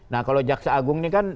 nah kalau jaksa agung ini kan